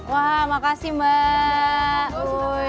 wah makasih mbak